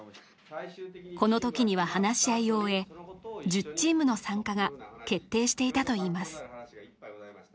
この時には話し合いを終え１０チームの参加が決定していたといいます